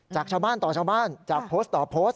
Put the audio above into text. จากชาวบ้านต่อชาวบ้านจากโพสต์ต่อโพสต์